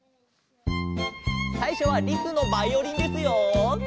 さいしょはリスのバイオリンですよ。